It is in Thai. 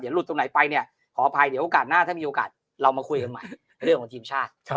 หลุดตรงไหนไปเนี่ยขออภัยเดี๋ยวโอกาสหน้าถ้ามีโอกาสเรามาคุยกันใหม่เรื่องของทีมชาติ